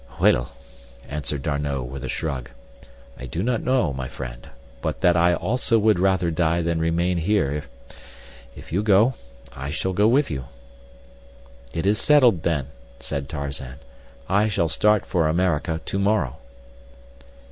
"Well," answered D'Arnot, with a shrug, "I do not know, my friend, but that I also would rather die than remain here. If you go, I shall go with you." "It is settled then," said Tarzan. "I shall start for America to morrow."